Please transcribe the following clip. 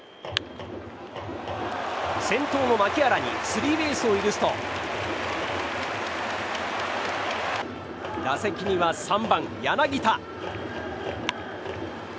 先頭の牧原にスリーベースを許すと打席には３番、柳田。